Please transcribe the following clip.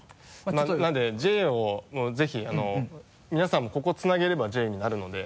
なので「Ｊ」をぜひ皆さんもここつなげれば「Ｊ」になるので。